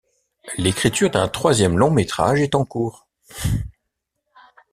L’écriture d'un troisième long-métrage est en cours.